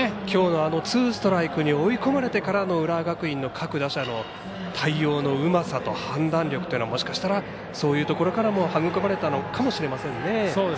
きょうのツーストライクに追い込まれてからの浦和学院の各打者の対応のうまさと判断力というのはもしかしたらそういうところからも育まれたのかもしれませんね。